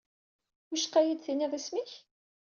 Wicqa ad yi-d-tiniḍ isem-ik?